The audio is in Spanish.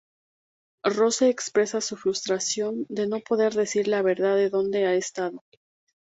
Rose expresa su frustración de no poder decir la verdad de dónde ha estado.